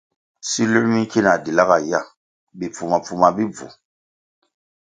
Siluē mi nki na dila nga ya, bipfuma - pfuma bi bvu.